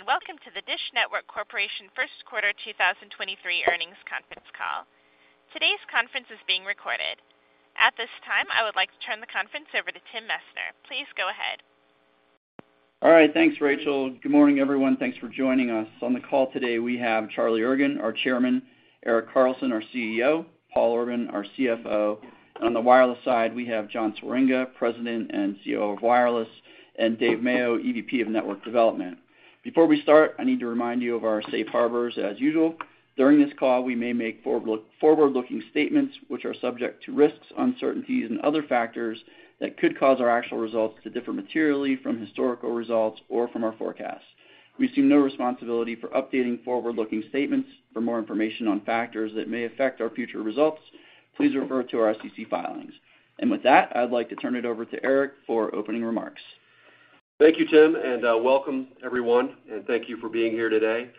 Good day. Welcome to the DISH Network Corporation first quarter 2023 earnings conference call. Today's conference is being recorded. At this time, I would like to turn the conference over to Tim Messner. Please go ahead. All right. Thanks, Rachel. Good morning, everyone. Thanks for joining us. On the call today, we have Charlie Ergen, our Chairman, Erik Carlson, our CEO, Paul Orban, our CFO. On the wireless side, we have John Swieringa, President and CEO of wireless, and Dave Mayo, EVP of Network Development. Before we start, I need to remind you of our safe harbors as usual. During this call, we may make forward-looking statements which are subject to risks, uncertainties and other factors that could cause our actual results to differ materially from historical results or from our forecasts. We assume no responsibility for updating forward-looking statements. For more information on factors that may affect our future results, please refer to our SEC filings. With that, I'd like to turn it over to Erik for opening remarks. Thank you, Tim, and welcome everyone, and thank you for being here today.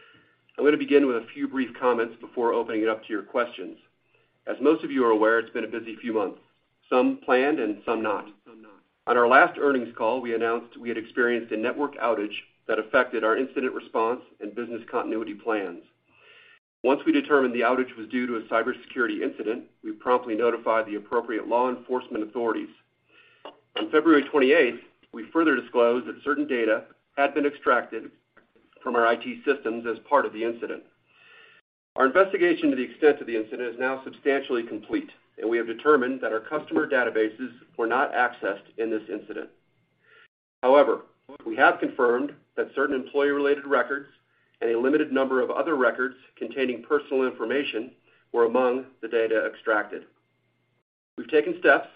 I'm gonna begin with a few brief comments before opening it up to your questions. As most of you are aware, it's been a busy few months, some planned and some not. On our last earnings call, we announced we had experienced a network outage that affected our incident response and business continuity plans. Once we determined the outage was due to a cybersecurity incident, we promptly notified the appropriate law enforcement authorities. On February 28th, we further disclosed that certain data had been extracted from our IT systems as part of the incident. Our investigation to the extent of the incident is now substantially complete, and we have determined that our customer databases were not accessed in this incident. However, we have confirmed that certain employee-related records and a limited number of other records containing personal information were among the data extracted. We've taken steps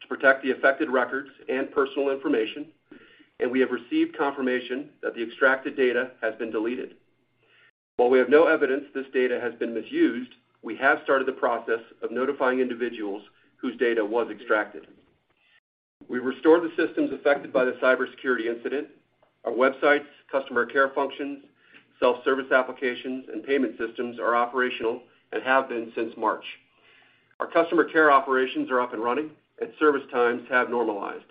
to protect the affected records and personal information, and we have received confirmation that the extracted data has been deleted. While we have no evidence this data has been misused, we have started the process of notifying individuals whose data was extracted. We restored the systems affected by the cybersecurity incident. Our websites, customer care functions, self-service applications, and payment systems are operational and have been since March. Our customer care operations are up and running, and service times have normalized.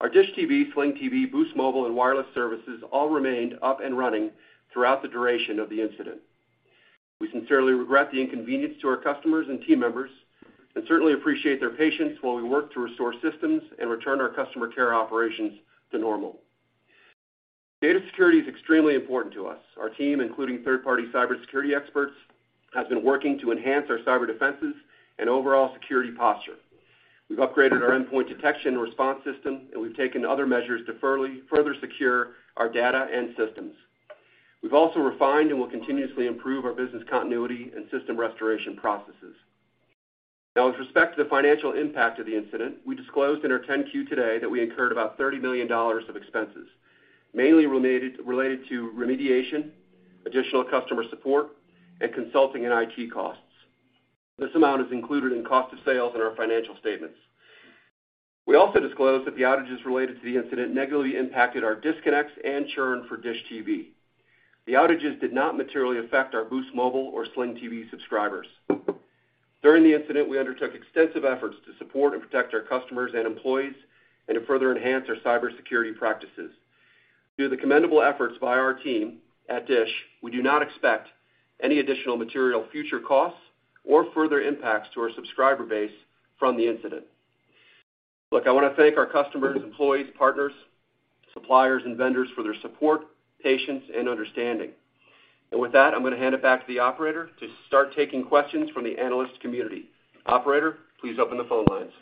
Our DISH TV, Sling TV, Boost Mobile, and wireless services all remained up and running throughout the duration of the incident. We sincerely regret the inconvenience to our customers and team members and certainly appreciate their patience while we work to restore systems and return our customer care operations to normal. Data security is extremely important to us. Our team, including third-party cybersecurity experts, has been working to enhance our cyber defenses and overall security posture. We've upgraded our endpoint detection response system, and we've taken other measures to further secure our data and systems. We've also refined and will continuously improve our business continuity and system restoration processes. With respect to the financial impact of the incident, we disclosed in our 10Q today that we incurred about $30 million of expenses, mainly related to remediation, additional customer support, and consulting and IT costs. This amount is included in cost of sales in our financial statements. We also disclosed that the outages related to the incident negatively impacted our disconnects and churn for DISH TV. The outages did not materially affect our Boost Mobile or Sling TV subscribers. During the incident, we undertook extensive efforts to support and protect our customers and employees and to further enhance our cybersecurity practices. Due to the commendable efforts by our team at DISH, we do not expect any additional material future costs or further impacts to our subscriber base from the incident. Look, I wanna thank our customers, employees, partners, suppliers, and vendors for their support, patience, and understanding. With that, I'm gonna hand it back to the operator to start taking questions from the analyst community. Operator, please open the phone lines.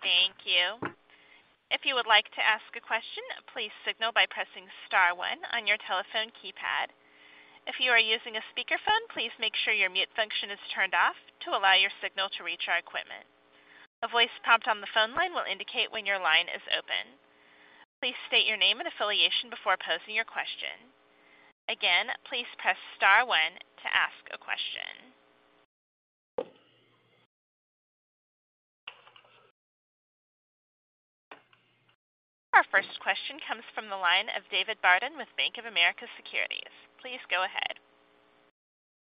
Thank you. If you would like to ask a question, please signal by pressing star one on your telephone keypad. If you are using a speakerphone, please make sure your mute function is turned off to allow your signal to reach our equipment. A voice prompt on the phone line will indicate when your line is open. Please state your name and affiliation before posing your question. Again, please press star one to ask a question. Our first question comes from the line of David Barden with Bank of America Securities. Please go ahead.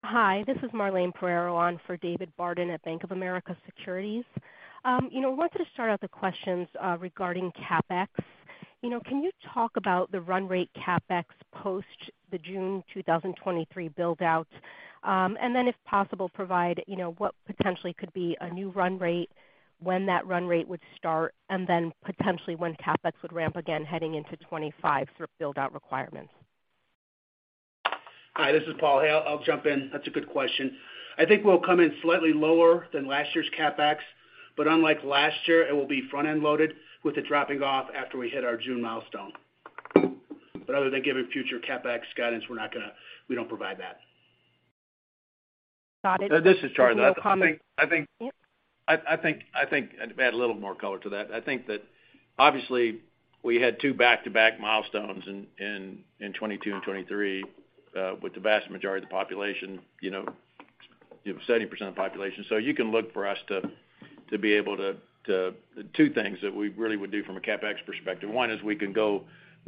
Hi. This is Marlane Pereiro on for David Barden at Bank of America Securities. You know, wanted to start out the questions regarding CapEx. You know, can you talk about the run rate CapEx post the June 2023 build-outs? If possible, provide, you know, what potentially could be a new run rate, when that run rate would start, and then potentially when CapEx would ramp again heading into 2025 for build-out requirements. Hi, this is Paul. Hey, I'll jump in. That's a good question. I think we'll come in slightly lower than last year's CapEx. Unlike last year, it will be front-end loaded with it dropping off after we hit our June milestone. Other than giving future CapEx guidance, we don't provide that. Got it. This is Charlie. I think to add a little more color to that, I think that obviously we had two back-to-back milestones in 2022 and 2023, with the vast majority of the population, you know, you have 70% of the population. You can look for us to be able to do two things that we really would do from a CapEx perspective. One is we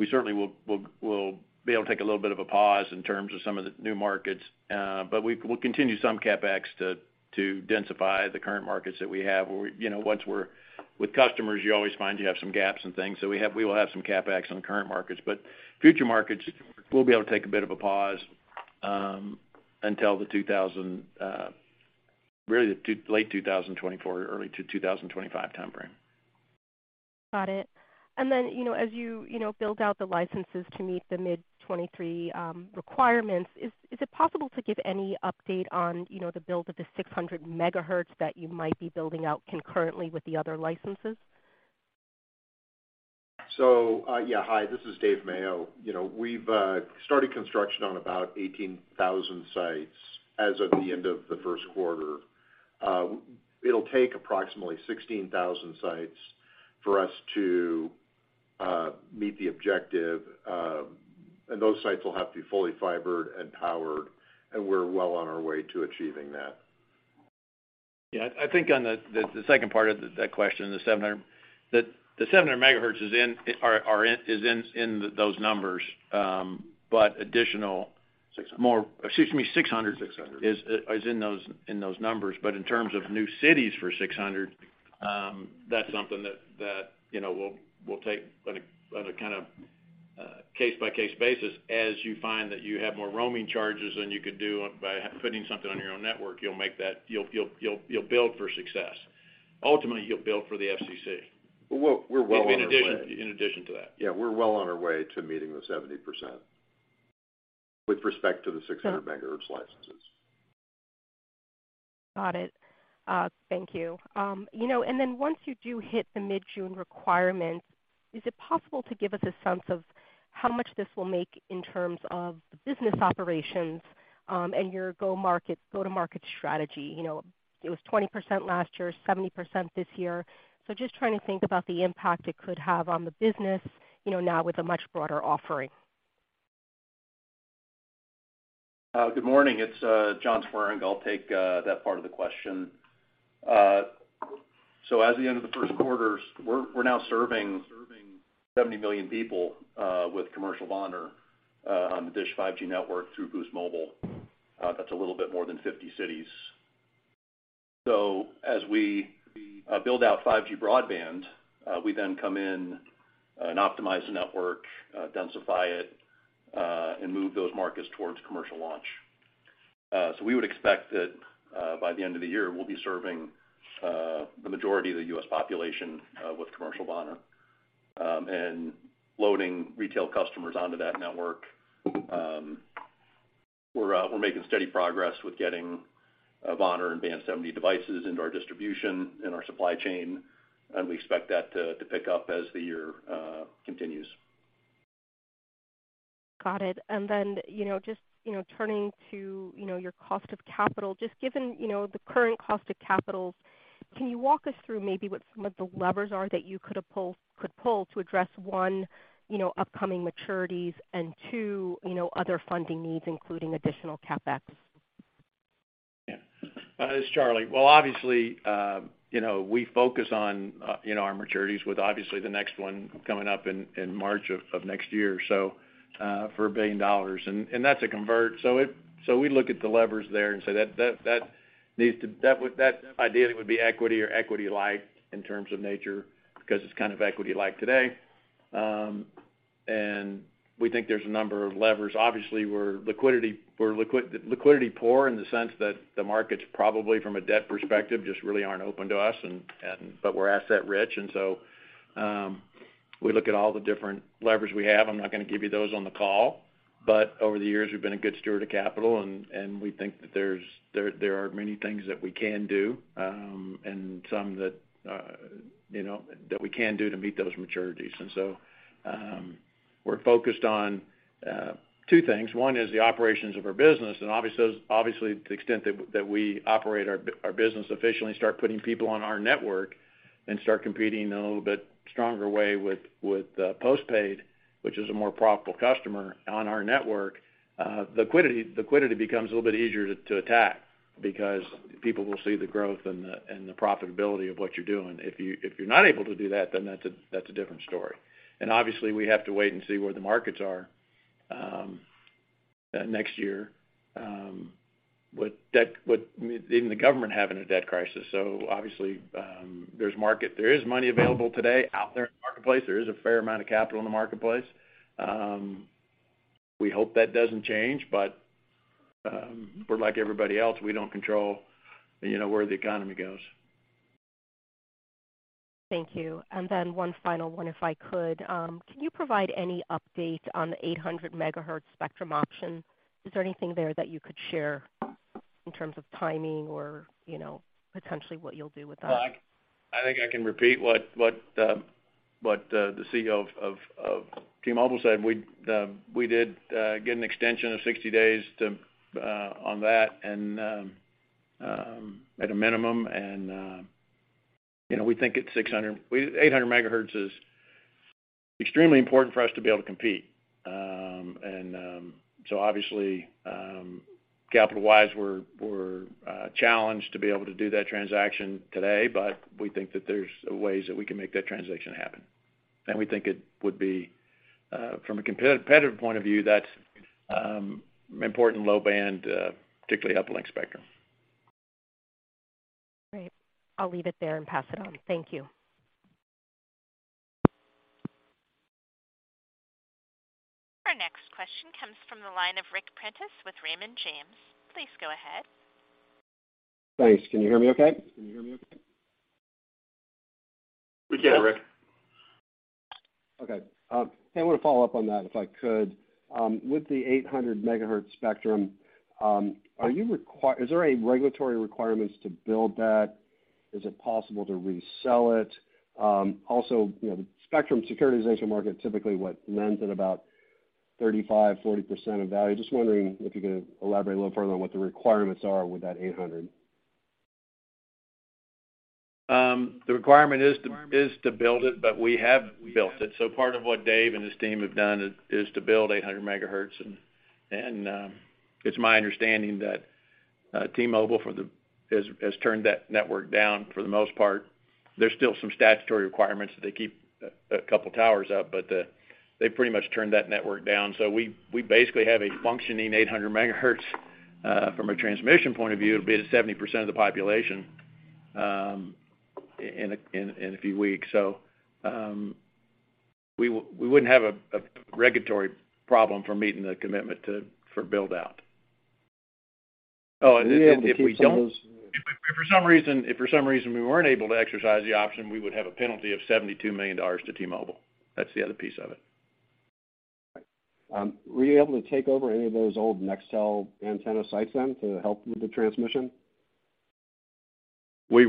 certainly will be able to take a little bit of a pause in terms of some of the new markets, but we'll continue some CapEx to densify the current markets that we have or, you know, once we're with customers, you always find you have some gaps and things. We will have some CapEx on current markets, but future markets, we'll be able to take a bit of a pause until really the late 2024, early to 2025 time frame. Got it. You know, as you know, build out the licenses to meet the mid-2023 requirements, is it possible to give any update on, you know, the build of the 600 MHz that you might be building out concurrently with the other licenses? Yeah. Hi, this is Dave Mayo. You know, we've started construction on about 18,000 sites as of the end of the first quarter. It'll take approximately 16,000 sites for us to meet the objective, and those sites will have to be fully fibered and powered, and we're well on our way to achieving that. Yeah. I think on the second part of that question, the 700 MHz. The, the 700 MHz is in those numbers. 600 MHz more. Excuse me. 600 MHz. Is in those numbers. In terms of new cities for 600 MHz, that's something that, you know, we'll take on a kind of case by case basis as you find that you have more roaming charges than you could do by putting something on your own network, you'll build for success. Ultimately, you'll build for the FCC. We're well on our way. In addition to that. Yeah, we're well on our way to meeting the 70% with respect to the 600 MHz licenses. Got it. Thank you. You know, once you do hit the mid-June requirements, is it possible to give us a sense of how much this will make in terms of the business operations, and your go-to-market strategy? You know, it was 20% last year, 70% this year. Just trying to think about the impact it could have on the business, you know, now with a much broader offering. Good morning. It's John Swieringa. I'll take that part of the question. At the end of the first quarter, we're now serving 70 million people with commercial VoNR on the DISH 5G network through Boost Mobile. That's a little bit more than 50 cities. As we build out 5G broadband, we then come in and optimize the network, densify it, and move those markets towards commercial launch. We would expect that by the end of the year, we'll be serving the majority of the U.S. population with commercial VoNR and loading retail customers onto that network. We're making steady progress with getting VoNR and Band 70 devices into our distribution and our supply chain, and we expect that to pick up as the year continues. Got it. Then, you know, just, you know, turning to, you know, your cost of capital. Just given, you know, the current cost of capital, can you walk us through maybe what some of the levers are that you could pull to address, one, you know, upcoming maturities and two, you know, other funding needs, including additional CapEx? Yeah, it's Charlie. Well, obviously, you know, we focus on, you know, our maturities with obviously the next one coming up in March of next year for $1 billion. That's a convert. We look at the levers there and say that ideally would be equity or equity-like in terms of nature because it's kind of equity-like today. We think there's a number of levers. Obviously, we're liquidity poor in the sense that the markets probably from a debt perspective just really aren't open to us, but we're asset rich. We look at all the different levers we have. I'm not gonna give you those on the call, but over the years, we've been a good steward of capital and we think that there are many things that we can do, and some that, you know, that we can do to meet those maturities. We're focused on two things. One is the operations of our business. Obviously, to the extent that we operate our business efficiently, start putting people on our network and start competing in a little bit stronger way with postpaid, which is a more profitable customer on our network. The liquidity becomes a little bit easier to attack because people will see the growth and the profitability of what you're doing. If you're not able to do that, then that's a different story. Obviously, we have to wait and see where the markets are next year with even the government having a debt crisis. Obviously, there's market. There is money available today out there in the marketplace. There is a fair amount of capital in the marketplace. We hope that doesn't change, but we're like everybody else. We don't control, you know, where the economy goes. Thank you. Then one final one, if I could. Can you provide any update on the 800 MHz spectrum auction? Is there anything there that you could share in terms of timing or, you know, potentially what you'll do with that? Well, I think I can repeat what the CEO of T-Mobile said. We did get an extension of 60 days on that and at a minimum, you know, we think it's 800 MHz is extremely important for us to be able to compete. Obviously, capital-wise, we're challenged to be able to do that transaction today, but we think that there's ways that we can make that transaction happen. We think it would be from a competitive point of view, that's important low band, particularly uplink spectrum. Great. I'll leave it there and pass it on. Thank you. Our next question comes from the line of Ric Prentiss with Raymond James. Please go ahead. Thanks. Can you hear me okay? We can, Ric. Okay. I wanna follow up on that if I could. With the 800 MHz spectrum, is there a regulatory requirements to build that? Is it possible to resell it? Also, you know, the spectrum securitization market, typically what lends at about 35%, 40% of value. Just wondering if you could elaborate a little further on what the requirements are with that 800 MHz. The requirement is to build it, we have built it. Part of what Dave and his team have done is to build 800 MHz. It's my understanding that T-Mobile has turned that network down for the most part. There's still some statutory requirements that they keep a couple towers up, they pretty much turned that network down. We basically have a functioning 800 MHz from a transmission point of view, it'll be at 70% of the population in a few weeks. We wouldn't have a regulatory problem for meeting the commitment for build out. Were you able to keep some of those? If for some reason we weren't able to exercise the option, we would have a penalty of $72 million to T-Mobile. That's the other piece of it. Right. Were you able to take over any of those old Nextel antenna sites then to help with the transmission? We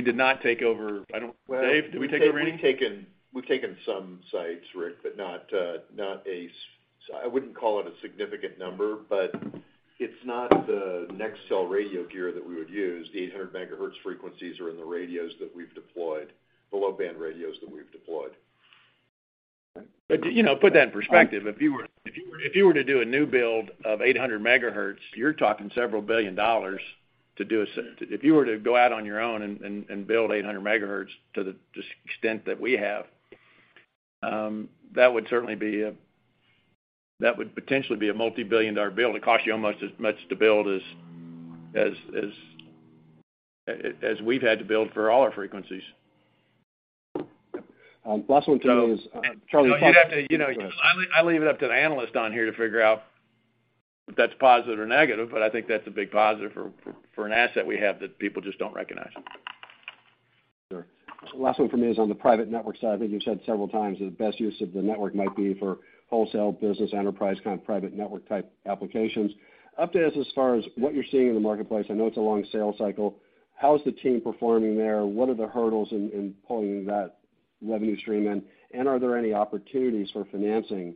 did not take over. Dave, did we take over any? We've taken some sites, Rick, but not, I wouldn't call it a significant number, but it's not the Nextel radio gear that we would use. The 800 MHz frequencies are in the radios that we've deployed, the low-band radios that we've deployed. Okay. You know, put that in perspective. If you were to do a new build of 800 MHz, you're talking several billion dollars to do if you were to go out on your own and build 800 MHz to the extent that we have, that would potentially be a multi-billion dollar build. It'd cost you almost as much to build as we've had to build for all our frequencies. Last one for me is, Charlie- You'd have to- You know, I leave it up to the analyst on here to figure out if that's positive or negative, but I think that's a big positive for an asset we have that people just don't recognize. Sure. Last one for me is on the private network side. I think you've said several times that the best use of the network might be for wholesale business enterprise, kind of private network type applications. Update us as far as what you're seeing in the marketplace. I know it's a long sales cycle. How is the team performing there? What are the hurdles in pulling that revenue stream in? Are there any opportunities for financing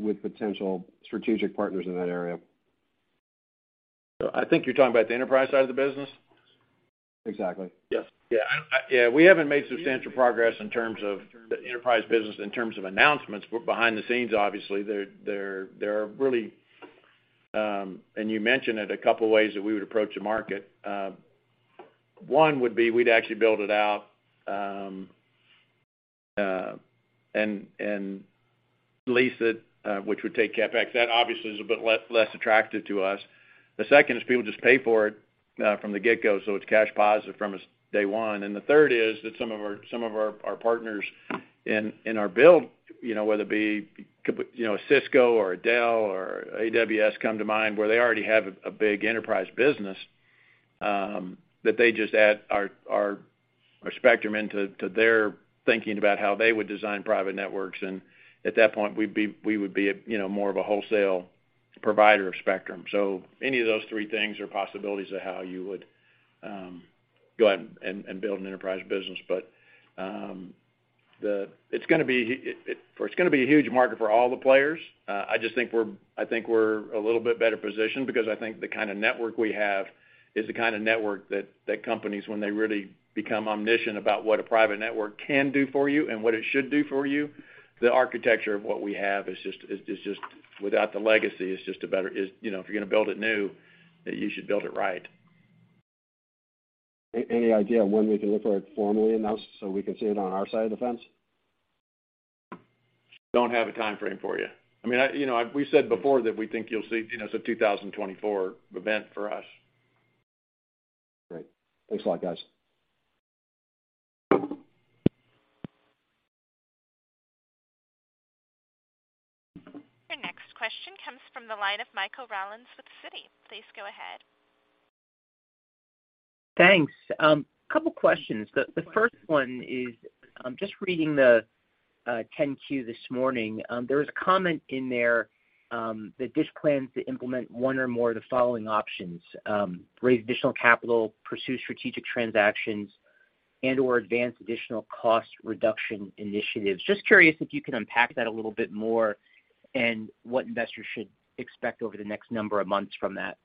with potential strategic partners in that area? I think you're talking about the enterprise side of the business. Exactly, yes. Yeah, we haven't made substantial progress in terms of the enterprise business in terms of announcements. We're behind the scenes, obviously, there are really. You mentioned it a couple of ways that we would approach the market. One would be, we'd actually build it out and lease it, which would take CapEx. That obviously is a bit less attractive to us. The second is people just pay for it from the get-go, so it's cash positive from day one. The third is that some of our partners in our build, you know, whether it be, you know, Cisco or Dell or AWS come to mind, where they already have a big enterprise business, that they just add our spectrum into their thinking about how they would design private networks. At that point, we would be, you know, more of a wholesale provider of spectrum. Any of those three things are possibilities of how you would go out and build an enterprise business. Of course, it's gonna be a huge market for all the players. I just think we're a little bit better positioned because I think the kind of network we have is the kind of network that companies, when they really become omniscient about what a private network can do for you and what it should do for you, the architecture of what we have is just without the legacy, is just a better, you know, if you're gonna build it new, that you should build it right. Any idea when we can look for it formally announced so we can see it on our side of the fence? Don't have a timeframe for you. I mean, you know, we said before that we think you'll see, you know, it's a 2024 event for us. Great. Thanks a lot, guys. Your next question comes from the line of Michael Rollins with Citi. Please go ahead. Thanks. Couple questions. The first one is, I'm just reading the 10Q this morning. There was a comment in there that DISH plans to implement one or more of the following options, raise additional capital, pursue strategic transactions, and/or advance additional cost reduction initiatives. Just curious if you can unpack that a little bit more and what investors should expect over the next number of months from that.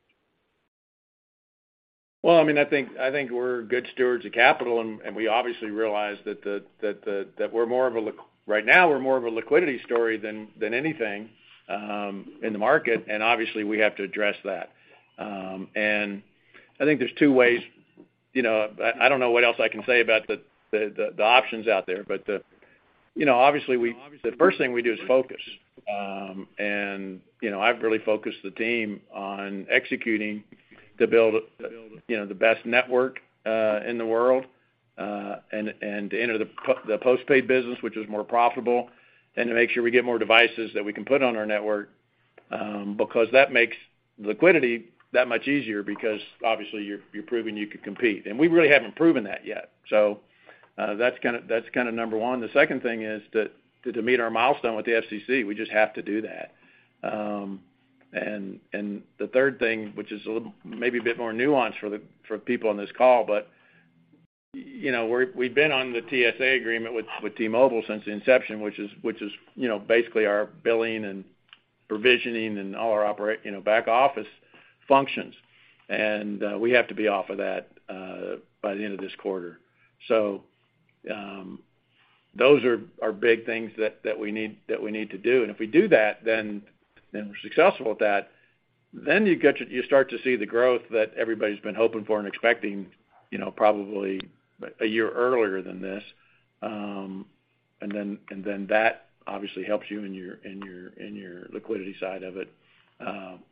Well, I mean, I think we're good stewards of capital, and we obviously realize that we're more of a right now, we're more of a liquidity story than anything, in the market, and obviously, we have to address that. I think there's two ways, you know. I don't know what else I can say about the options out there. You know, obviously, the first thing we do is focus. You know, I've really focused the team on executing to build, you know, the best network in the world, and to enter the postpaid business, which is more profitable, and to make sure we get more devices that we can put on our network. That makes liquidity that much easier because obviously you're proving you can compete, and we really haven't proven that yet. That's kinda number one. The second thing is to meet our milestone with the FCC, we just have to do that. The third thing, which is a little, maybe a bit more nuanced for people on this call, but, you know, we've been on the TSA agreement with T-Mobile since the inception, which is, you know, basically our billing and provisioning and all our back office functions. We have to be off of that by the end of this quarter. Those are big things that we need to do. If we do that, then we're successful with that, then you start to see the growth that everybody's been hoping for and expecting, you know, probably a year earlier than this. Then that obviously helps you in your liquidity side of it,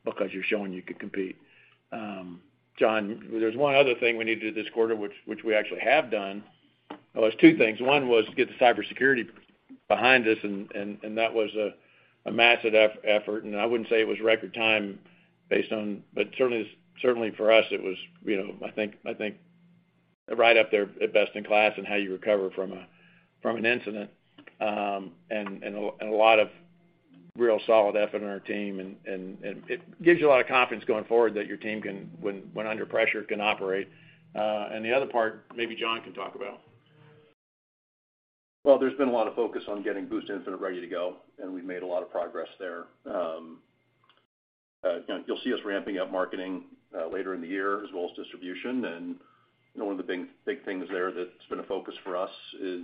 because you're showing you can compete. John, there's one other thing we need to do this quarter, which we actually have done. Well, it's two things. One was to get the cybersecurity behind us, and that was a massive effort. I wouldn't say it was record time based on, but certainly for us, it was, you know, I think right up there at best in class in how you recover from an incident, and a lot of real solid effort on our team. It gives you a lot of confidence going forward that your team can when under pressure can operate. The other part, maybe John can talk about. Well, there's been a lot of focus on getting Boost Infinite ready to go, and we've made a lot of progress there. You know, you'll see us ramping up marketing later in the year as well as distribution. One of the big things there that's been a focus for us is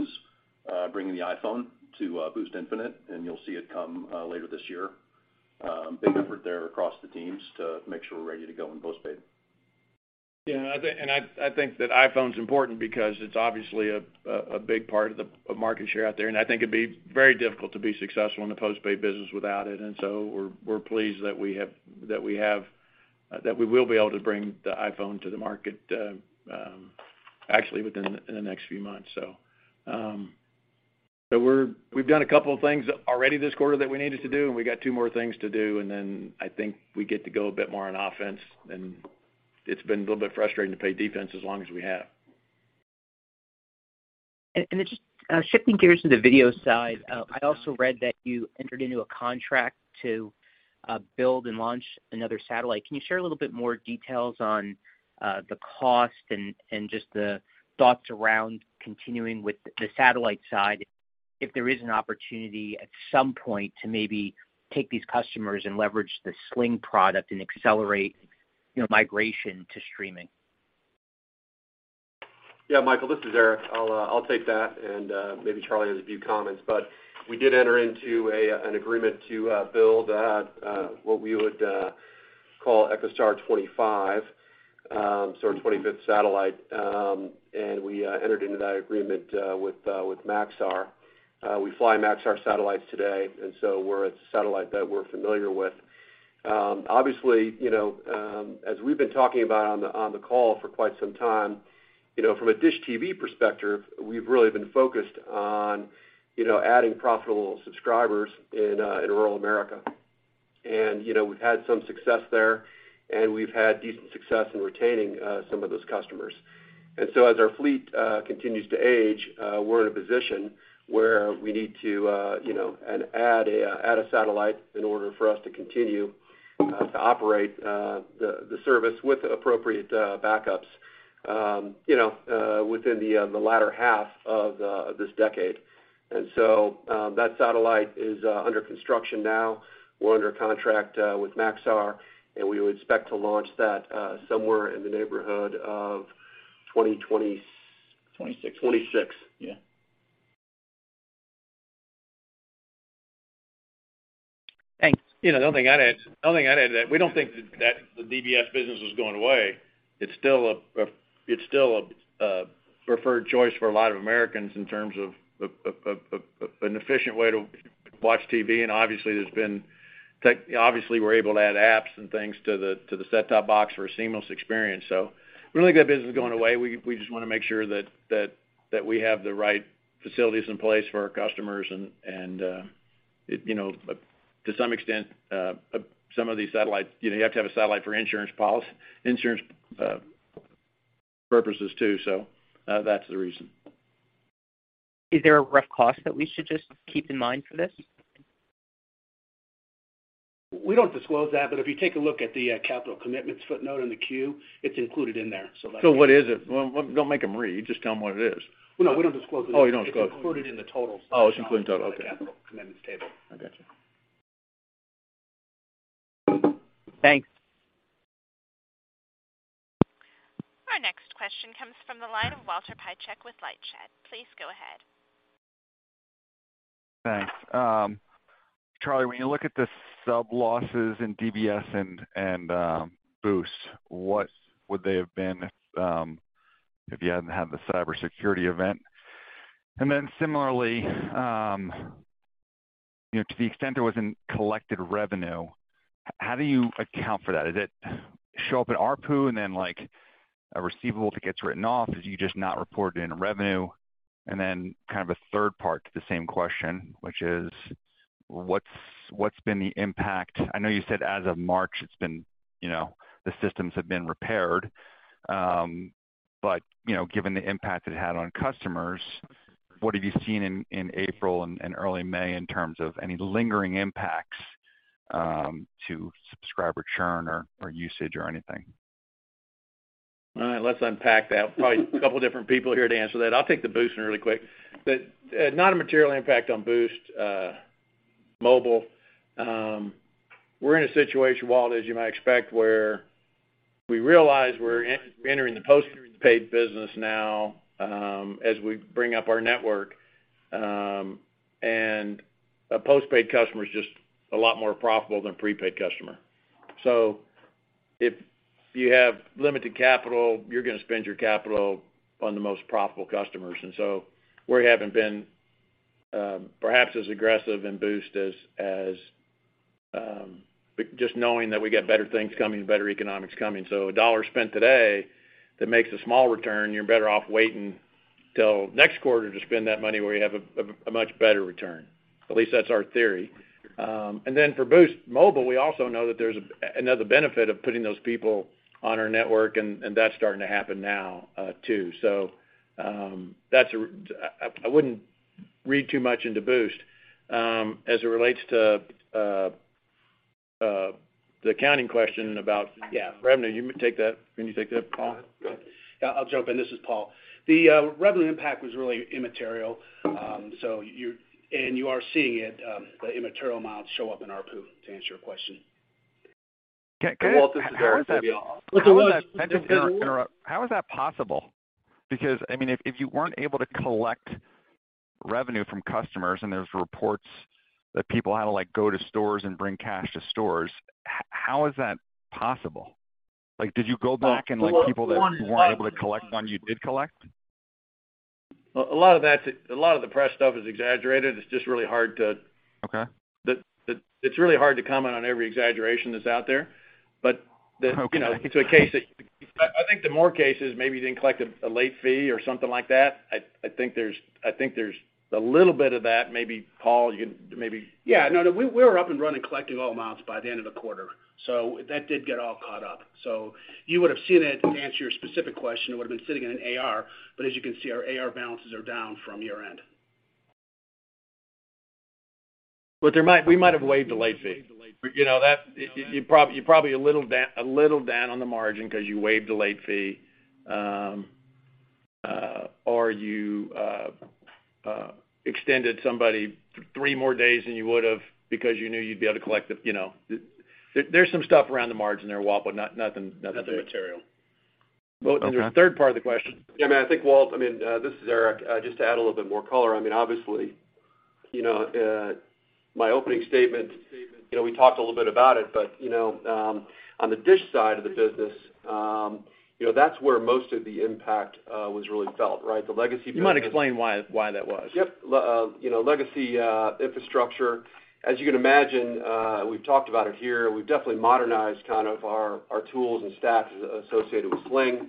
bringing the iPhone to Boost Infinite, and you'll see it come later this year. Big effort there across the teams to make sure we're ready to go in postpaid. I think that iPhone's important because it's obviously a big part of the market share out there, and I think it'd be very difficult to be successful in the postpaid business without it. We're pleased that we will be able to bring the iPhone to the market, actually within the next few months. We've done a couple of things already this quarter that we needed to do, and we got two more things to do, and then I think we get to go a bit more on offense. It's been a little bit frustrating to pay defense as long as we have. Just shifting gears to the video side, I also read that you entered into a contract to build and launch another satellite. Can you share a little bit more details on the cost and just the thoughts around continuing with the satellite side, if there is an opportunity at some point to maybe take these customers and leverage the Sling product and accelerate, you know, migration to streaming? Yeah, Michael Rollins, this is Erik Carlson. I'll take that and maybe Charlie Ergen has a few comments. We did enter into an agreement to build what we would call EchoStar XXV, so our 25th satellite. We entered into that agreement with Maxar Technologies. We fly Maxar Technologies satellites today, and so we're a satellite that we're familiar with. Obviously, you know, as we've been talking about on the call for quite some time, you know, from a DISH TV perspective, we've really been focused on, you know, adding profitable subscribers in rural America. You know, we've had some success there, and we've had decent success in retaining some of those customers. As our fleet continues to age, we're in a position where we need to, you know, add a satellite in order for us to continue to operate the service with appropriate backups, you know, within the latter half of this decade. That satellite is under construction now. We're under contract with Maxar, and we would expect to launch that somewhere in the neighborhood of 2026- 2026. 2026. Yeah. Thanks. You know, the only thing I'd add to that, we don't think that the DBS business is going away. It's still a preferred choice for a lot of Americans in terms of an efficient way to watch TV. Obviously, we're able to add apps and things to the set-top box for a seamless experience. We don't think that business is going away. We just wanna make sure that we have the right facilities in place for our customers. You know, to some extent, some of these satellites, you know, you have to have a satellite for insurance purposes too, so that's the reason. Is there a rough cost that we should just keep in mind for this? We don't disclose that. If you take a look at the capital commitments footnote in the Q, it's included in there. What is it? Don't make them read, just tell them what it is. Well, no, we don't disclose it. Oh, you don't disclose it. It's included in the totals. Oh, it's included in the total. Okay. In the capital commitments table. I got you. Thanks. Our next question comes from the line of Walter Piecyk with LightShed. Please go ahead. Thanks. Charlie, when you look at the sub losses in DBS and Boost, what would they have been if you hadn't had the cybersecurity event? Similarly, you know, to the extent there was uncollected revenue, how do you account for that? Is it show up at ARPU and then, like, a receivable that gets written off? Is you just not reported in revenue? Kind of a third part to the same question, which is what's been the impact? I know you said as of March, it's been, you know, the systems have been repaired. But, you know, given the impact it had on customers, what have you seen in April and early May in terms of any lingering impacts to subscriber churn or usage or anything? All right, let's unpack that. Probably a couple different people here to answer that. I'll take the Boost one really quick. Not a material impact on Boost Mobile. We're in a situation, Walt, as you might expect, where we realize we're entering the post-paid business now, as we bring up our network, and a post-paid customer is just a lot more profitable than a prepaid customer. If you have limited capital, you're gonna spend your capital on the most profitable customers. We haven't been, perhaps as aggressive in Boost as just knowing that we got better things coming, better economics coming. A dollar spent today that makes a small return, you're better off waiting till next quarter to spend that money where you have a much better return. At least that's our theory. For Boost Mobile, we also know that there's another benefit of putting those people on our network, and that's starting to happen now, too. That's I wouldn't read too much into Boost. As it relates to the accounting question about revenue, you take that. Can you take that, Paul? Yeah, I'll jump in. This is Paul. The revenue impact was really immaterial. You are seeing it, the immaterial amount show up in ARPU to answer your question. Walt, this is Erik. Look, it was-. Pardon my interrupt. How is that possible? I mean, if you weren't able to collect revenue from customers, and there's reports that people had to, like, go to stores and bring cash to stores, how is that possible? Like, did you go back and look people that you weren't able to collect, ones you did collect? A lot of the press stuff is exaggerated. It's just really hard to- Okay. It's really hard to comment on every exaggeration that's out there. Okay. You know, it's a case that I think the more case is maybe you didn't collect a late fee or something like that. I think there's a little bit of that. Maybe Paul, you maybe. Yeah. No, we were up and running collecting all amounts by the end of the quarter. That did get all caught up. You would have seen it, to answer your specific question, it would have been sitting in an AR. As you can see, our AR balances are down from year-end. We might have waived a late fee. You know, you're probably a little down on the margin because you waived a late fee, or you extended somebody three more days than you would have because you knew you'd be able to collect the, you know... There's some stuff around the margin there, Walt, nothing. Nothing material. Well, there's a third part of the question. I mean, I think, Walt, I mean, this is Eric, just to add a little bit more color. I mean, obviously, you know, my opening statement, you know, we talked a little bit about it, but, you know, on the DISH side of the business, you know, that's where most of the impact was really felt, right? The legacy business. You might explain why that was. Yep. You know, legacy infrastructure. As you can imagine, we've talked about it here. We've definitely modernized kind of our tools and staff associated with Sling.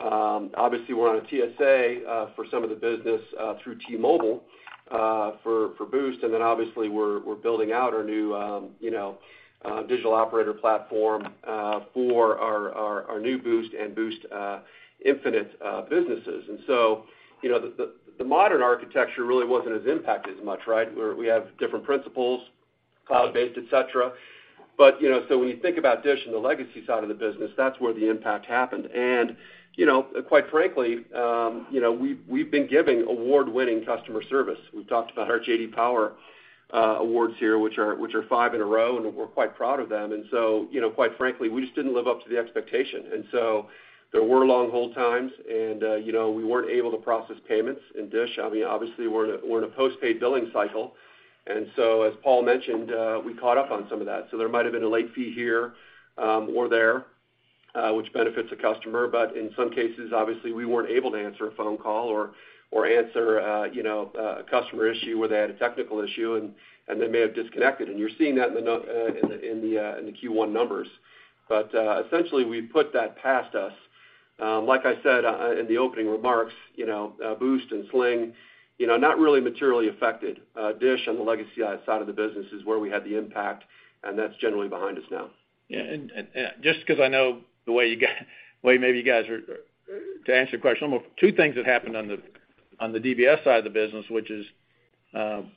Obviously, we're on a TSA for some of the business through T-Mobile for Boost. Obviously, we're building out our new, you know, digital operator platform for our new Boost and Boost Infinite businesses. You know, the modern architecture really wasn't as impacted as much, right? Where we have different principles, cloud-based, et cetera. You know, when you think about DISH and the legacy side of the business, that's where the impact happened. You know, quite frankly, you know, we've been giving award-winning customer service. We've talked about our J.D. Power awards here, which are five in a row, and we're quite proud of them. You know, quite frankly, we just didn't live up to the expectation. There were long hold times and, you know, we weren't able to process payments in DISH. I mean, obviously, we're in a post-paid billing cycle. as Paul mentioned, we caught up on some of that. There might have been a late fee here, or there, which benefits the customer. In some cases, obviously, we weren't able to answer a phone call or answer, you know, a customer issue where they had a technical issue and they may have disconnected. you're seeing that in the Q1 numbers. Essentially, we put that past us. Like I said, in the opening remarks, you know, Boost and Sling, you know, not really materially affected. DISH on the legacy side of the business is where we had the impact, and that's generally behind us now. Yeah. Just because I know the way maybe you guys are... To answer your question, two things that happened on the DBS side of the business, which is,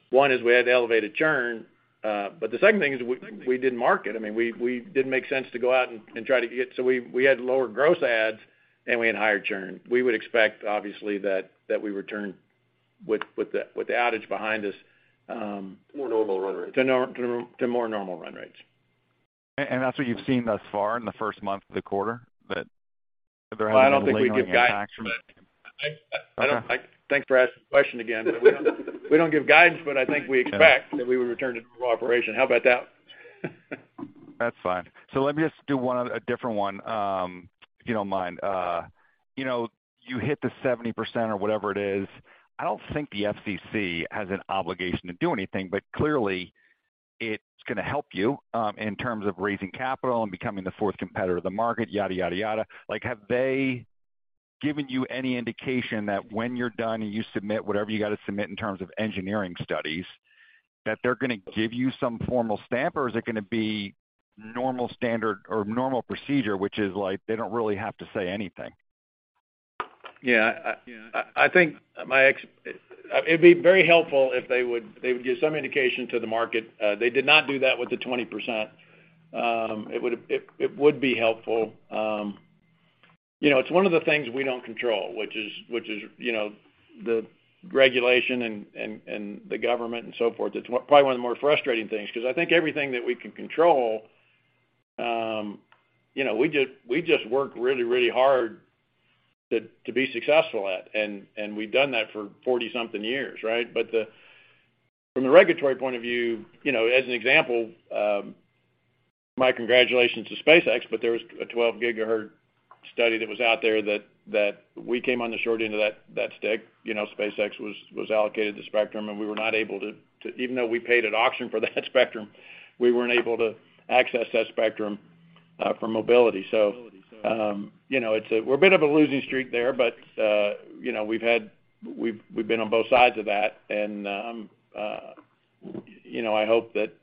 one, is we had the elevated churn. The second thing is we didn't market. I mean, we didn't make sense to go out and try to get... We had lower gross ads and we had higher churn. We would expect obviously that we return with the outage behind us. More normal run rates. To more normal run rates. That's what you've seen thus far in the first month of the quarter, that there hasn't been lingering impacts from it? Well, I don't think we give guidance, but I don't. Okay. Thanks for asking the question again. We don't give guidance, but I think we expect that we would return to normal operation. How about that? That's fine. Let me just do one, a different one, if you don't mind. You know, you hit the 70% or whatever it is. I don't think the FCC has an obligation to do anything, but it's gonna help you in terms of raising capital and becoming the fourth competitor of the market, yada, yada. Like, have they given you any indication that when you're done and you submit whatever you got to submit in terms of engineering studies, that they're gonna give you some formal stamp or is it gonna be normal standard or normal procedure, which is like they don't really have to say anything? Yeah. I think it'd be very helpful if they would give some indication to the market. They did not do that with the 20%. It would be helpful. You know, it's one of the things we don't control, which is, you know, the regulation and the government and so forth. It's probably one of the more frustrating things because I think everything that we can control, you know, we just work really, really hard to be successful at. We've done that for 40 something years, right? From the regulatory point of view, you know, as an example, my congratulations to SpaceX, but there was a 12 GHz study that was out there that we came on the short end of that stick. You know, SpaceX was allocated the spectrum, and we were not able to, even though we paid an auction for that spectrum, we weren't able to access that spectrum for mobility. You know, we're a bit of a losing streak there, but you know, we've been on both sides of that. You know, I hope that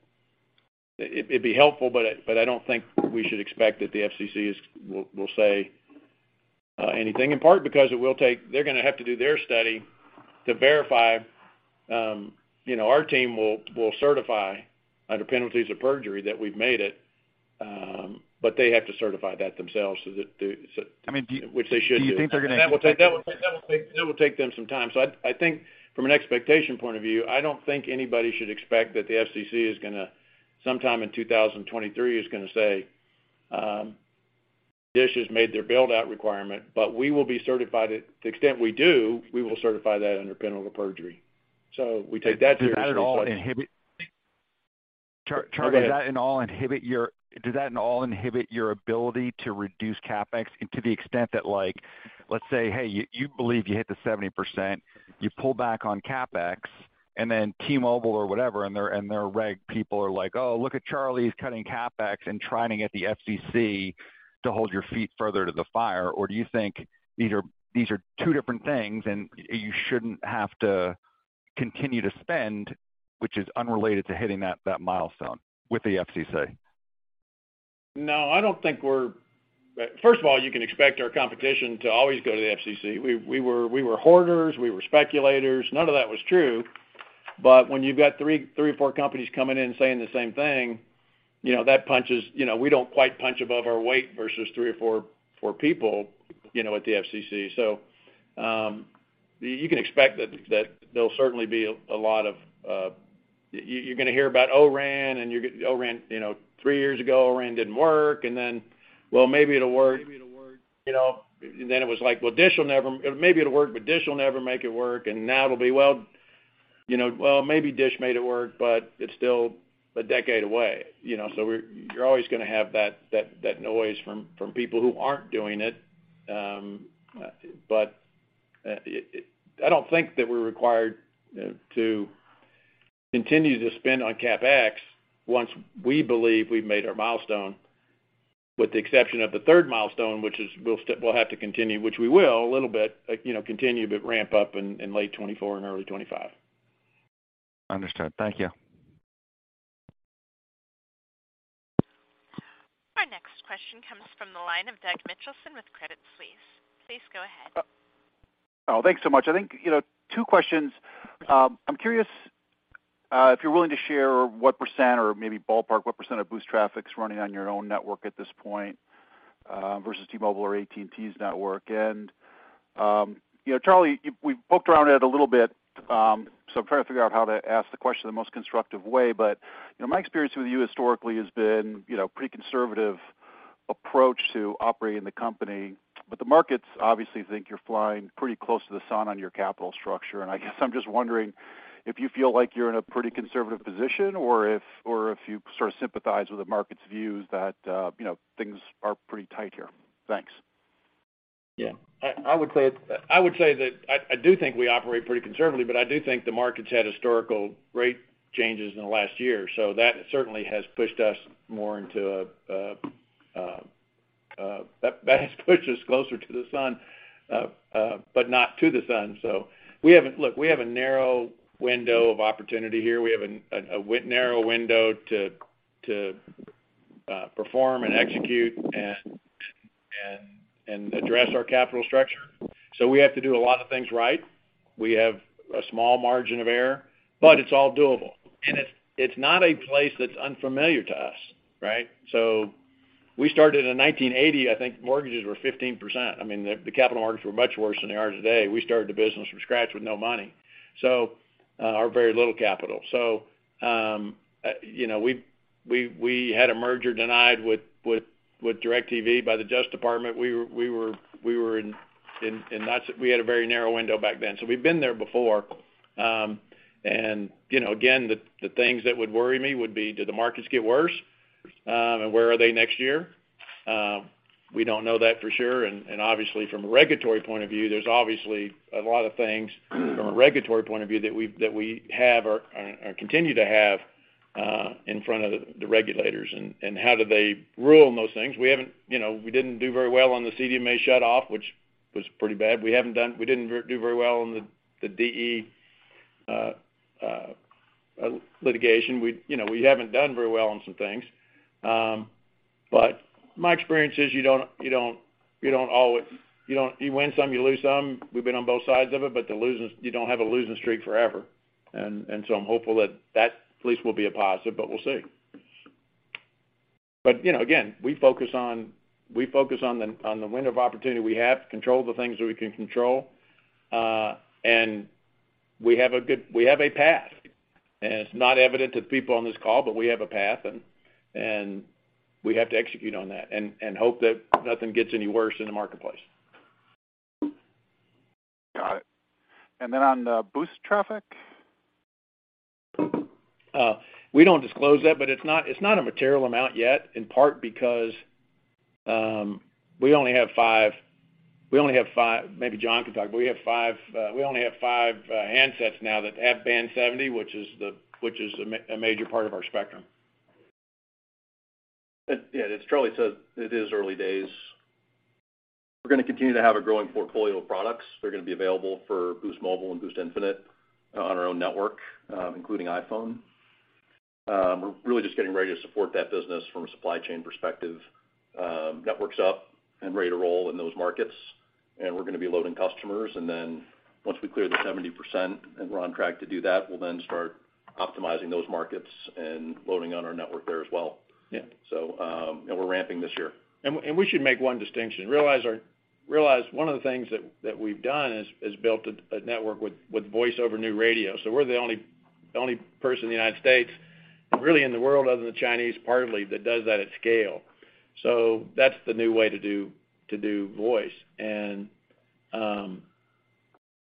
it'd be helpful, but I don't think we should expect that the FCCs will say anything. In part, because they're gonna have to do their study to verify, you know, our team will certify under penalties of perjury that we've made it, but they have to certify that themselves. I mean, do you- Which they should do. Do you think they're- That will take them some time. I think from an expectation point of view, I don't think anybody should expect that the FCC sometime in 2023 is gonna say, DISH has made their build out requirement, but we will be certified it. To the extent we do, we will certify that under penalty of perjury. We take that very seriously. Does that at all inhibit... Go ahead. Charlie, does that at all inhibit your ability to reduce CapEx? To the extent that, like, let's say, hey, you believe you hit the 70%, you pull back on CapEx and then T-Mobile or whatever, and their reg people are like, "Oh, look at Charlie, he's cutting CapEx," and trying to get the FCC to hold your feet further to the fire. Do you think these are two different things and you shouldn't have to continue to spend, which is unrelated to hitting that milestone with the FCC? No, I don't think. First of all, you can expect our competition to always go to the FCC. We were hoarders. We were speculators. None of that was true. When you've got three or four companies coming in saying the same thing, you know, that punches. You know, we don't quite punch above our weight versus three or four people, you know, at the FCC. You can expect that there'll certainly be a lot of. You're gonna hear about O-RAN and O-RAN, you know, three years ago, O-RAN didn't work, and then, well, maybe it'll work, you know. Then it was like, well, DISH will never. Maybe it'll work, but DISH will never make it work. Now it'll be, well, you know, well, maybe DISH made it work, but it's still a decade away, you know. You're always gonna have that noise from people who aren't doing it. I don't think that we're required to continue to spend on CapEx once we believe we've made our milestone, with the exception of the third milestone, which is we'll have to continue, which we will a little bit, you know, continue but ramp up in late 2024 and early 2025. Understood. Thank you. Our next question comes from the line of Douglas Mitchelson with Credit Suisse. Please go ahead. Oh, thanks so much. I think, you know, two questions. I'm curious if you're willing to share what percent or maybe ballpark what percent of Boost traffic's running on your own network at this point versus T-Mobile or AT&T's network. You know, Charlie, we've poked around it a little bit, so I'm trying to figure out how to ask the question the most constructive way. You know, my experience with you historically has been, you know, pretty conservative approach to operating the company. The markets obviously think you're flying pretty close to the sun on your capital structure. I guess I'm just wondering if you feel like you're in a pretty conservative position or if, or if you sort of sympathize with the market's views that, you know, things are pretty tight here. Thanks. Yeah. I would say that I do think we operate pretty conservatively, but I do think the market's had historical rate changes in the last year, so that certainly has pushed us more into- that has pushed us closer to the sun, but not to the sun. Look, we have a narrow window of opportunity here. We have a narrow window to perform and execute and address our capital structure. We have to do a lot of things right. We have a small margin of error, but it's all doable. It's not a place that's unfamiliar to us, right? We started in 1980, I think mortgages were 15%. I mean, the capital markets were much worse than they are today. We started the business from scratch with no money, so, or very little capital. You know, we had a merger denied with DirecTV by the Justice Department. We were in that. We had a very narrow window back then. We've been there before. You know, again, the things that would worry me would be, do the markets get worse? Where are they next year? We don't know that for sure. Obviously from a regulatory point of view, there's obviously a lot of things from a regulatory point of view that we have or continue to have in front of the regulators and how do they rule on those things. We haven't, you know, we didn't do very well on the CDMA shutoff, which was pretty bad. We didn't do very well on the DE litigation. We, you know, we haven't done very well on some things. But my experience is you don't always, you win some, you lose some. We've been on both sides of it, but the losing, you don't have a losing streak forever. I'm hopeful that that at least will be a positive, but we'll see. You know, again, we focus on the window of opportunity we have to control the things that we can control. We have a path, and it's not evident to the people on this call, but we have a path, and we have to execute on that and hope that nothing gets any worse in the marketplace. Got it. On the Boost traffic? We don't disclose that, but it's not a material amount yet, in part because, we only have five maybe John can talk, but we only have five handsets now that have Band 70, which is a major part of our spectrum. As Charlie said, it is early days. We're gonna continue to have a growing portfolio of products. They're gonna be available for Boost Mobile and Boost Infinite on our own network, including iPhone. We're really just getting ready to support that business from a supply chain perspective. Network's up and ready to roll in those markets, and we're gonna be loading customers. Once we clear the 70%, and we're on track to do that, we'll then start optimizing those markets and loading on our network there as well. Yeah. We're ramping this year. We should make one distinction. Realize one of the things that we've done is built a network with Voice over New Radio. We're the only person in the United States, really in the world other than the Chinese, partly that does that at scale. That's the new way to do voice.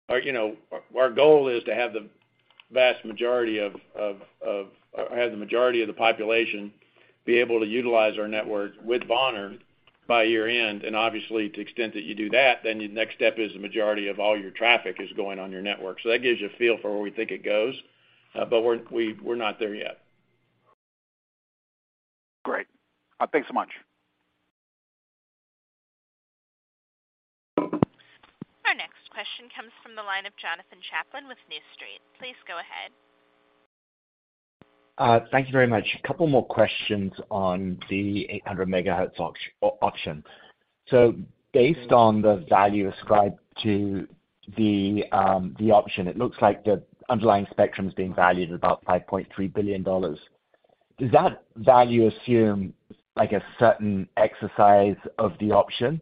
Our, you know, our goal is to have the vast majority of or have the majority of the population be able to utilize our network with VoNR by year-end. Obviously, to the extent that you do that, then the next step is the majority of all your traffic is going on your network. That gives you a feel for where we think it goes. We're not there yet. Great. Thanks so much. Our next question comes from the line of Jonathan Chaplin with New Street. Please go ahead. Thank you very much. A couple more questions on the 800 MHz option. Based on the value ascribed to the option, it looks like the underlying spectrum is being valued at about $5.3 billion. Does that value assume, like, a certain exercise of the option?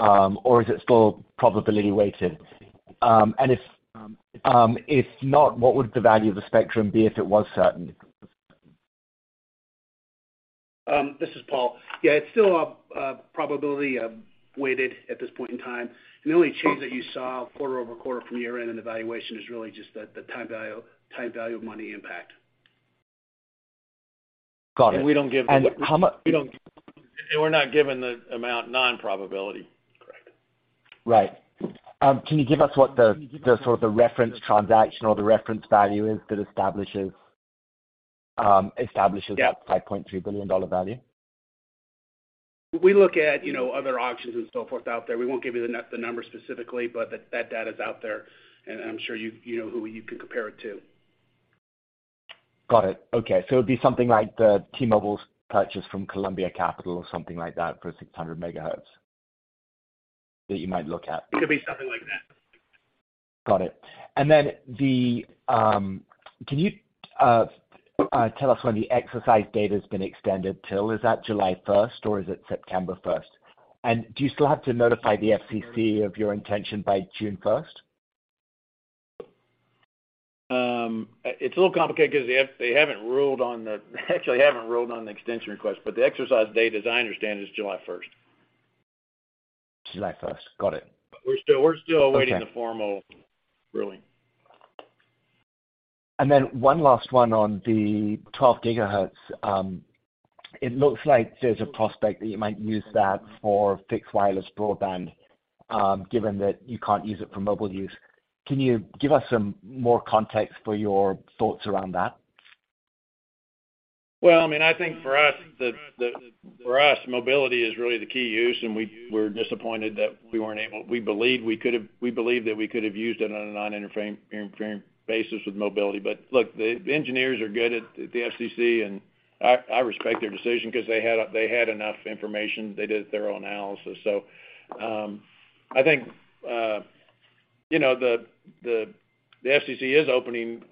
Is it still probability weighted? If not, what would the value of the spectrum be if it was certain? This is Paul. Yeah, it's still probability weighted at this point in time. The only change that you saw quarter-over-quarter from year-end in the valuation is really just the time value of money impact. Got it. We don't give- How much- We're not given the amount non-probability. Correct. Right. Can you give us what the sort of the reference transaction or the reference value is that establishes that $5.3 billion value? We look at, you know, other auctions and so forth out there. We won't give you the numbers specifically, but that data is out there. I'm sure you know who you can compare it to. Got it. Okay. It'd be something like the T-Mobile's purchase from Columbia Capital or something like that for 600 MHz that you might look at. It'll be something like that. Got it. Can you tell us when the exercise date has been extended till? Is that July first or is it September first? Do you still have to notify the FCC of your intention by June first? It's a little complicated 'cause they actually haven't ruled on the extension request, but the exercise date, as I understand, is July first. July first. Got it. We're still- Okay. awaiting the formal ruling. One last one on the 12 GHz. It looks like there's a prospect that you might use that for fixed wireless broadband, given that you can't use it for mobile use. Can you give us some more context for your thoughts around that? Well, I mean, I think for us, mobility is really the key use, and we're disappointed that we weren't able. We believe that we could have used it on a non-interfering, interfering basis with mobility. Look, the engineers are good at the FCC, and I respect their decision 'cause they had enough information. They did their own analysis. I think, you know, the FCC is opening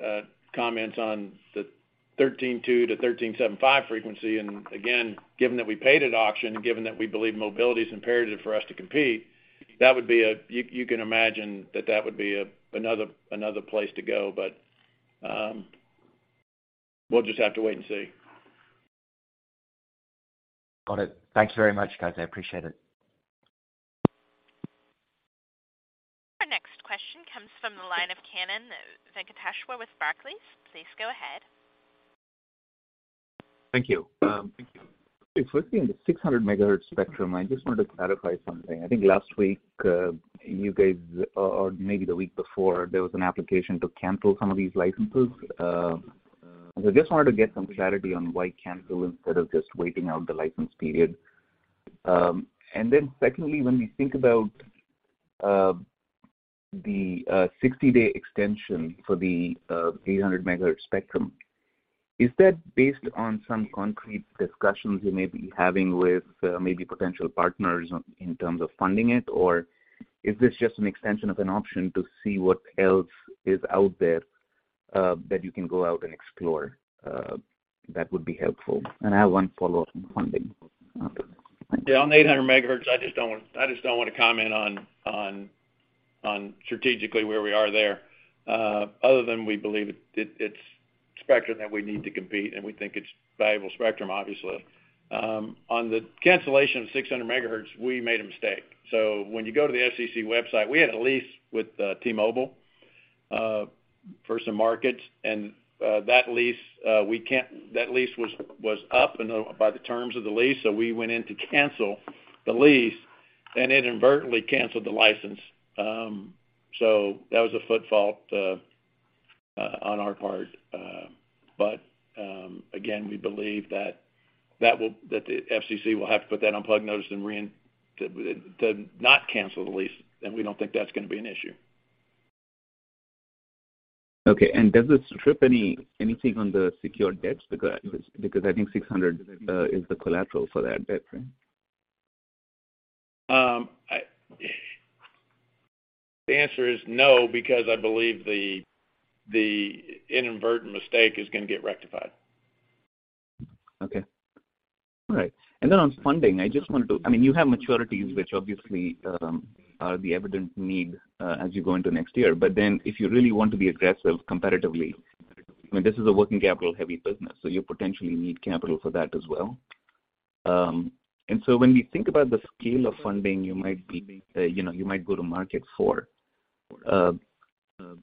comments on the 13.2 to 13.75 frequency. Again, given that we paid at auction and given that we believe mobility is imperative for us to compete, that would be you can imagine that that would be another place to go. We'll just have to wait and see. Got it. Thank you very much, guys. I appreciate it. The next question comes from the line of Kannan Venkateshwar with Barclays, please go ahead. Thank you. Thank you. Firstly, in the 600 MHz spectrum, I just wanted to clarify something. I think last week, you guys, or maybe the week before, there was an application to cancel some of these licenses. So I just wanted to get some clarity on why cancel instead of just waiting out the license period. Then secondly, when we think about the 60-day extension for the 800 MHz spectrum, is that based on some concrete discussions you may be having with maybe potential partners in terms of funding it or is this just an extension of an option to see what else is out there that you can go out and explore? That would be helpful. I have one follow-up on funding after this. Thank you. On the 800 MHz, I just don't wanna comment on strategically where we are there, other than we believe it's spectrum that we need to compete, and we think it's valuable spectrum, obviously. On the cancellation of 600 MHz, we made a mistake. When you go to the FCC website, we had a lease with T-Mobile for some markets, and that lease was up by the terms of the lease, so we went in to cancel the lease, and inadvertently canceled the license. That was a foot fault on our part. Again, we believe that the FCC will have to put that on plug notice and not cancel the lease, and we don't think that's gonna be an issue. Okay. Does this strip anything on the secured debts because I think $600 is the collateral for that debt, right? The answer is no, because I believe the inadvertent mistake is gonna get rectified. Okay. All right. On funding, I just wanted to I mean, you have maturities, which obviously, are the evident need, as you go into next year. If you really want to be aggressive competitively, I mean, this is a working capital heavy business, so you potentially need capital for that as well. When we think about the scale of funding you might be, you know, you might go to market for,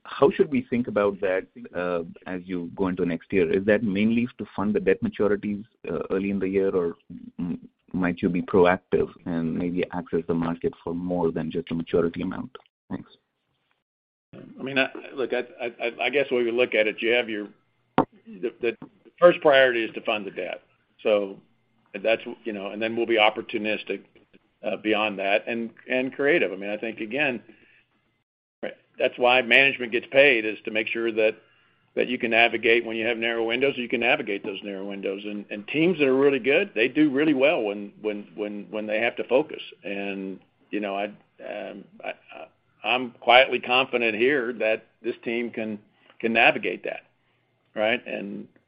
how should we think about that, as you go into next year? Is that mainly to fund the debt maturities, early in the year or might you be proactive and maybe access the market for more than just a maturity amount? Thanks. I mean, I look, I guess the way we look at it, the first priority is to fund the debt. You know, then we'll be opportunistic beyond that and creative. I mean, I think again, that's why management gets paid, is to make sure that you can navigate when you have narrow windows, and you can navigate those narrow windows. Teams that are really good, they do really well when they have to focus. You know, I'm quietly confident here that this team can navigate that, right?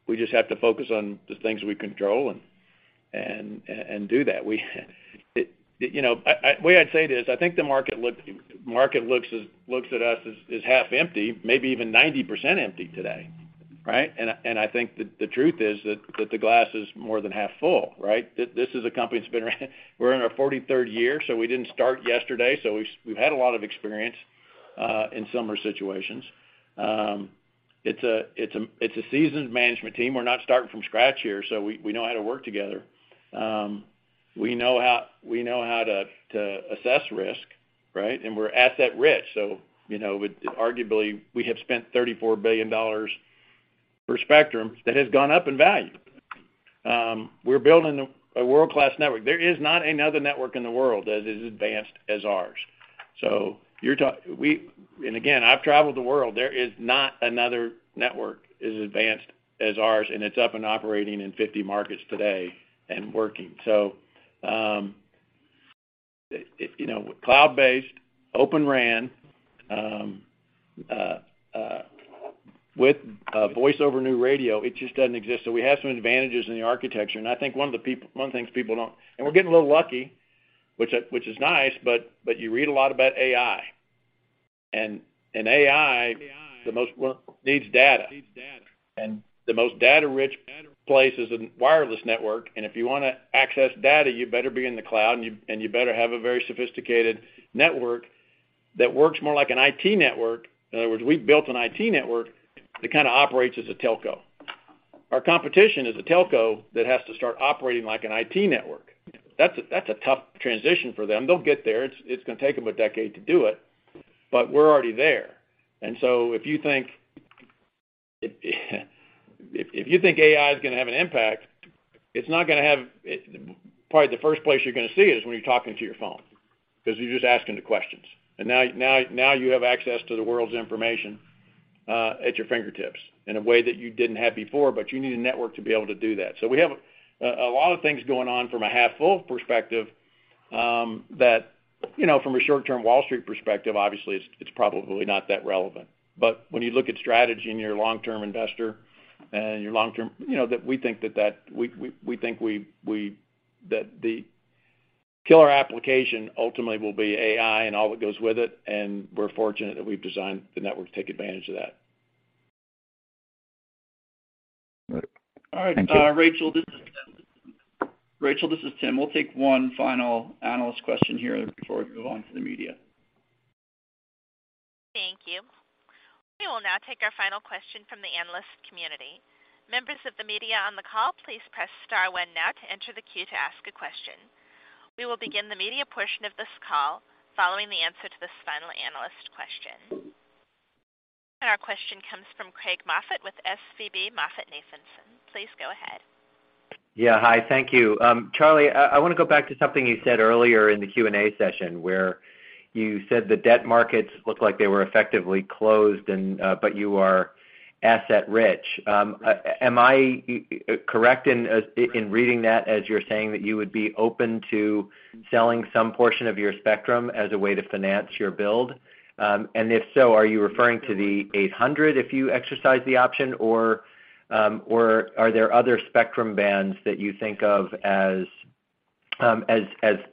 We just have to focus on the things we control and do that. You know, way I'd say it is, I think the market looks at us as half empty, maybe even 90% empty today, right? I think the truth is that the glass is more than half full, right? This is a company that's been around we're in our 43rd year, we didn't start yesterday. We've had a lot of experience in similar situations. It's a seasoned management team. We're not starting from scratch here, we know how to work together. We know how to assess risk, right? We're asset rich. you know, arguably, we have spent $34 billion for spectrum that has gone up in value. We're building a world-class network. There is not another network in the world that is as advanced as ours. Again, I've traveled the world, there is not another network as advanced as ours, and it's up and operating in 50 markets today and working. If, you know, cloud-based, Open RAN, with Voice over New Radio, it just doesn't exist. We have some advantages in the architecture, and I think one of the things people don't... We're getting a little lucky, which is nice, but you read a lot about AI. and AI, needs data. The most data-rich place is a wireless network, and if you wanna access data, you better be in the cloud, and you better have a very sophisticated network that works more like an IT network. In other words, we've built an IT network that kinda operates as a telco. Our competition is a telco that has to start operating like an IT network. That's a tough transition for them. They'll get there. It's gonna take them a decade to do it, but we're already there. If you think AI is gonna have an impact, probably the first place you're gonna see it is when you're talking to your phone 'cause you're just asking the questions. Now you have access to the world's information, at your fingertips in a way that you didn't have before, you need a network to be able to do that. We have a lot of things going on from a half full perspective, that, you know, from a short-term Wall Street perspective, obviously it's probably not that relevant. When you look at strategy and you're a long-term investor and you're long-term, you know, that we think that the killer application ultimately will be AI and all that goes with it, and we're fortunate that we've designed the network to take advantage of that. All right. Rachel, this is Tim. Rachel, this is Tim. We'll take one final analyst question here before we move on to the media. Thank you. We will now take our final question from the analyst community. Members of the media on the call, please press star one now to enter the queue to ask a question. We will begin the media portion of this call following the answer to this final analyst question. Our question comes from Craig Moffett with SVB MoffettNathanson. Please go ahead. Yeah. Hi, thank you. Charlie, I wanna go back to something you said earlier in the Q&A session, where you said the debt markets looked like they were effectively closed and you are asset rich. Am I correct in reading that as you're saying that you would be open to selling some portion of your spectrum as a way to finance your build? If so, are you referring to the 800 MHz if you exercise the option or are there other spectrum bands that you think of as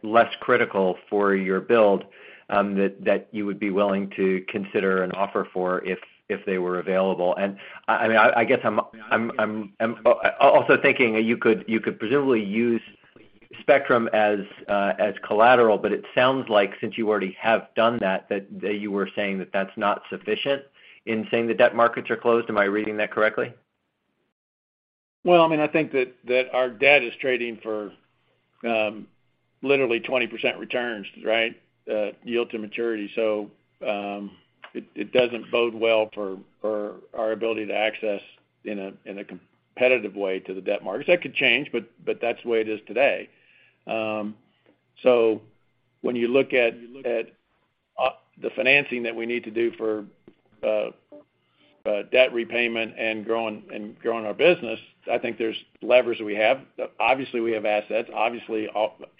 less critical for your build that you would be willing to consider an offer for if they were available? I mean, I guess I'm also thinking you could presumably use spectrum as collateral, but it sounds like since you already have done that, you were saying that that's not sufficient in saying the debt markets are closed. Am I reading that correctly? Well, I mean, I think that our debt is trading for, literally 20% returns, right? Yield to maturity. It doesn't bode well for our ability to access in a competitive way to the debt markets. That could change, but that's the way it is today. When you look at the financing that we need to do for debt repayment and growing our business, I think there's levers we have. Obviously, we have assets. Obviously,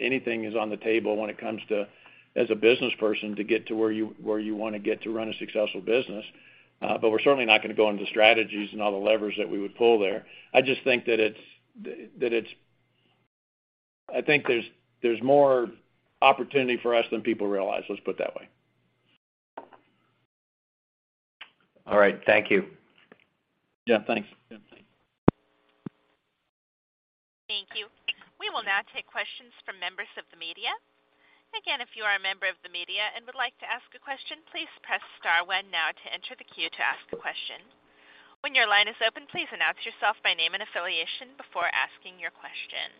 anything is on the table when it comes to, as a business person, to get to where you wanna get to run a successful business. We're certainly not gonna go into strategies and all the levers that we would pull there. I just think that it's... I think there's more opportunity for us than people realize, let's put it that way. All right. Thank you. Yeah, thanks. Thank you. We will now take questions from members of the media. Again, if you are a member of the media and would like to ask a question, please press star one now to enter the queue to ask a question. When your line is open, please announce yourself by name and affiliation before asking your question.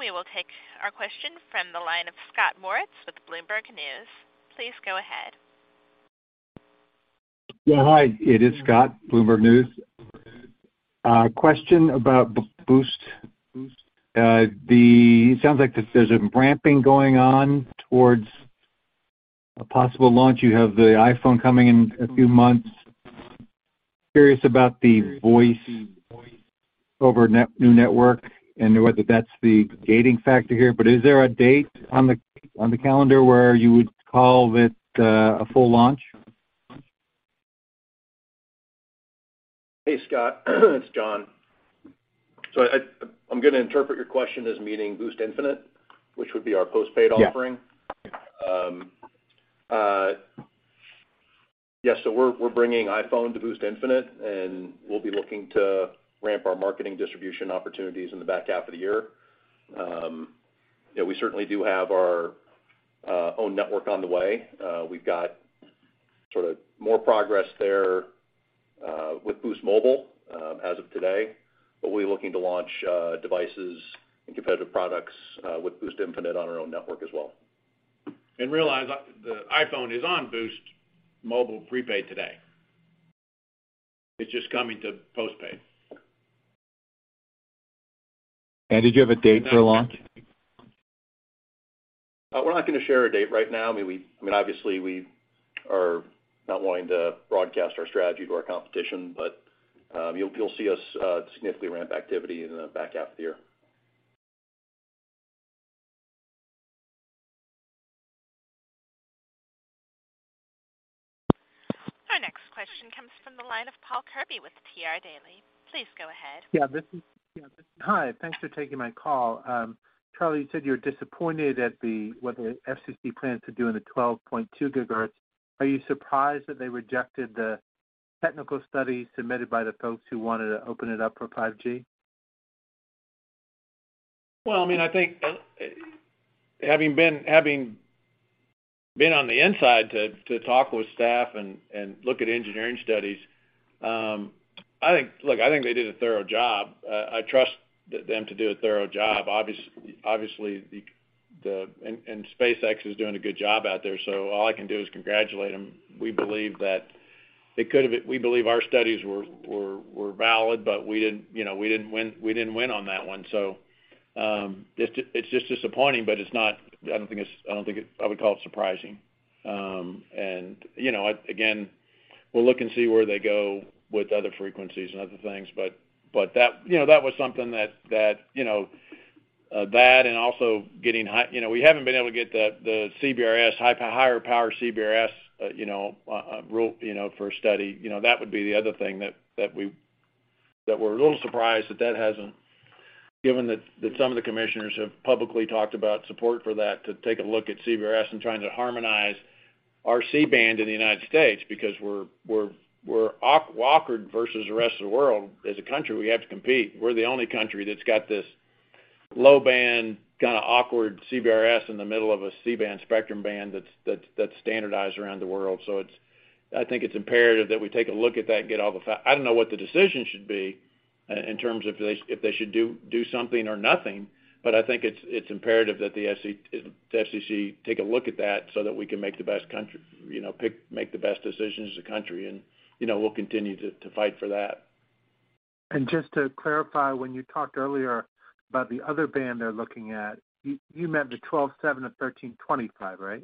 We will take our question from the line of Scott Moritz with Bloomberg News. Please go ahead. Yeah, hi. It is Scott, Bloomberg News. Question about Boost. It sounds like there's a ramping going on towards a possible launch. You have the iPhone coming in a few months. Curious about the Voice over New Radio and whether that's the gating factor here. Is there a date on the calendar where you would call it a full launch? Hey, Scott, it's John. I'm gonna interpret your question as meaning Boost Infinite, which would be our postpaid offering. Yeah. We're bringing iPhone to Boost Infinite. We'll be looking to ramp our marketing distribution opportunities in the back half of the year. We certainly do have our own network on the way. We've got more progress there with Boost Mobile as of today. We're looking to launch devices and competitive products with Boost Infinite on our own network as well. I realize, the iPhone is on Boost Mobile prepaid today. It's just coming to postpaid. Did you have a date for launch? We're not gonna share a date right now. I mean, we, I mean, obviously, we are not wanting to broadcast our strategy to our competition, but, you'll see us significantly ramp activity in the back half of the year. Our next question comes from the line of Paul Kirby with TD Cowen. Please go ahead. Yeah. Hi, thanks for taking my call. Charlie, you said you're disappointed at what the FCC plans to do in the 12.2 GHz. Are you surprised that they rejected the technical study submitted by the folks who wanted to open it up for 5G? Well, I mean, I think having been on the inside to talk with staff and look at engineering studies, look, I think they did a thorough job. I trust them to do a thorough job. Obviously, SpaceX is doing a good job out there, all I can do is congratulate them. We believe our studies were valid, we didn't, you know, we didn't win on that one. It's just disappointing, it's not, I don't think I would call it surprising. You know, again, we'll look and see where they go with other frequencies and other things. That, you know, that was something that, you know, that and also getting higher power CBRS, you know, rule, you know, for a study. You know, that would be the other thing that we're a little surprised that that hasn't. Given that some of the commissioners have publicly talked about support for that to take a look at CBRS and trying to harmonize our C-band in the United States because we're awkward versus the rest of the world. As a country, we have to compete. We're the only country that's got this low band, kinda awkward CBRS in the middle of a C-band spectrum band that's standardized around the world. I think it's imperative that we take a look at that and get all the facts. I don't know what the decision should be in terms of they, if they should do something or nothing, but I think it's imperative that the FCC take a look at that so that we can make the best country, you know, make the best decisions as a country. You know, we'll continue to fight for that. Just to clarify, when you talked earlier about the other band they're looking at, you meant the 12.7 GHz-13.25 GHz, right?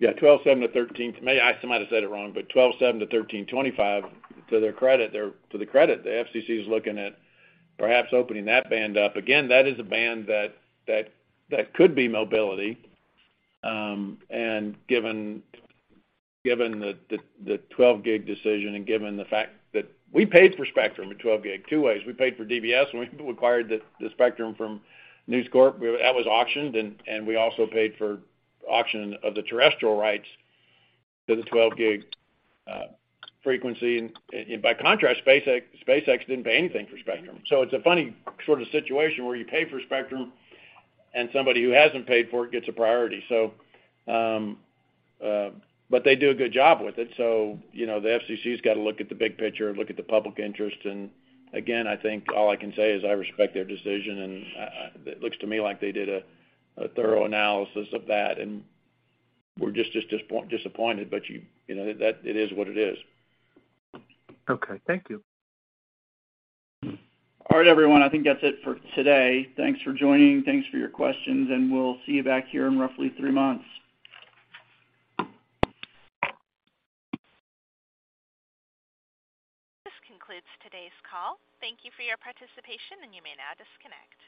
12.7 GHz-13 GHz. I somehow said it wrong, but 12.7 GHz-13.25 GHz, to their credit, the FCC is looking at perhaps opening that band up. Again, that could be mobility. Given the 12 GHz decision and given the fact that we paid for spectrum at 12 GHz two ways. We paid for DBS, and we acquired the spectrum from News Corp. That was auctioned, and we also paid for auction of the terrestrial rights to the 12 GHz frequency. By contrast, SpaceX didn't pay anything for spectrum. It's a funny sort of situation where you pay for spectrum and somebody who hasn't paid for it gets a priority. But they do a good job with it. You know, the FCC's gotta look at the big picture, look at the public interest. Again, I think all I can say is I respect their decision, and it looks to me like they did a thorough analysis of that. We're disappointed, but you know, that, it is what it is. Okay. Thank you. All right, everyone. I think that's it for today. Thanks for joining. Thanks for your questions, and we'll see you back here in roughly three months. This concludes today's call. Thank you for your participation, and you may now disconnect.